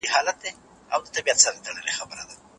تېر وخت هېڅکله بېرته نه راځي.